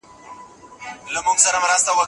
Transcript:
د ولس په منځ کې د پاچا مړینې کومه اغیزه ونه ښوده.